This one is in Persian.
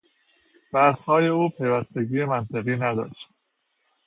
بحثهای او پیوستگی منطقی نداشت.